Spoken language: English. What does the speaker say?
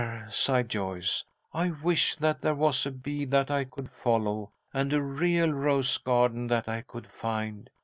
sighed Joyce. "I wish that there was a bee that I could follow, and a real rose garden that I could find.